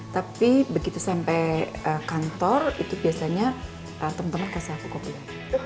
tapi begitu sampai kantor itu biasanya teman teman kasih aku kopi